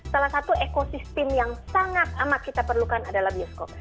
salah satu ekosistem yang sangat amat kita perlukan adalah bioskop